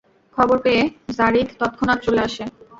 খবর পেয়ে যারীদ তৎক্ষণাৎ চলে আসে।